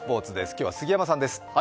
今日は杉山さんです。